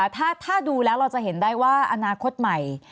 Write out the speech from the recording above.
ถ้าดูแล้วเราจะเห็นได้ว่าอนาคตใหม่